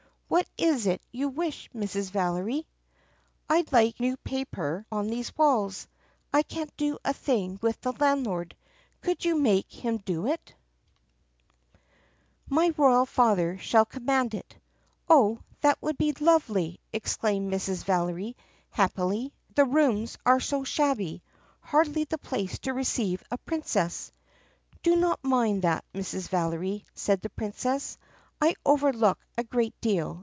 "What is it you wish, Mrs. Valery 4 ?" "I 'd like new paper on these walls. I can't do a thing with the landlord. Could you make him do it 4 ?" 30 THE PUSSYCAT PRINCESS "My royal father shall command it." "Oh, that will be lovely!" exclaimed Mrs. Valery happily. "The rooms are so shabby — hardly the place to receive a Prin cess." "Do not mind that, Mrs. Valery," said the Princess. "I overlook a great deal.